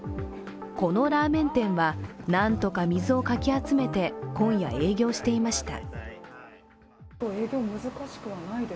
このラーメン店は何とか水をかき集めて今夜、営業していました。